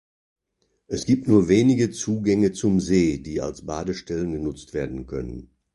Es gibt nur wenige Zugänge zum See, die als Badestellen genutzt werden können.